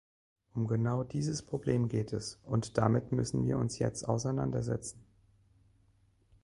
Um genau dieses Problem geht es, und damit müssen wir uns jetzt auseinandersetzen.